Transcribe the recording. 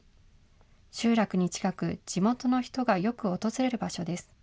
集落に近く、地元の人がよく訪れる場所です。